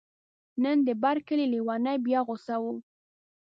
نن د بر کلي لیونی بیا غوصه و.